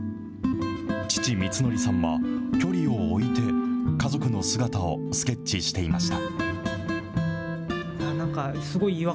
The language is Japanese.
父、みつのりさんは距離を置いて、家族の姿をスケッチしていました。